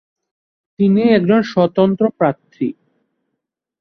তিনি একজন স্বতন্ত্র প্রার্থী।